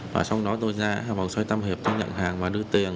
và sau đó tôi ra vào xoay tăm hiệp tôi nhận hàng và đưa tiền